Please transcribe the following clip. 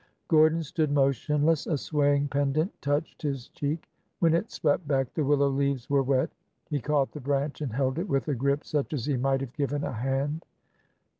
Gordon stood motionless. A swaying pendant touched his cheek. When it swept back, the willow leaves were wet. He caught the branch and held it with a grip such as he might have given a hand.